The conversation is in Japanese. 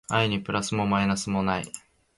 愛にプラスもマイナスもなし